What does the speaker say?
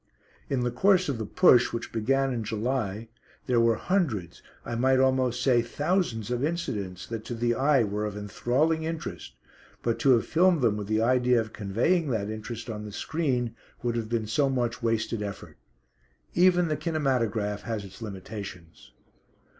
In the course of the "push," which began in July, there were hundreds, I might almost say thousands, of incidents that to the eye were of enthralling interest, but to have filmed them with the idea of conveying that interest on the screen would have been so much wasted effort. Even the kinematograph has its limitations.